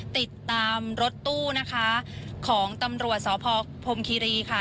ติดตามรถตู้นะคะของตำรวจสพพรมคิรีค่ะ